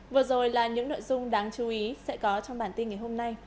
vừa rồi là những nội dung đáng chú ý sẽ có trong bản tin ngày hôm nay